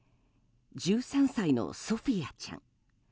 １３歳のソフィヤちゃん。